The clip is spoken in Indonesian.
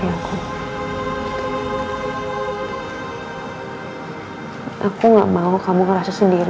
aku gak mau kamu ngerasa sendiri